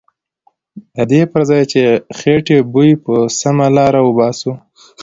ددې پرځای چې د خیټې بوی په سمه لاره وباسو.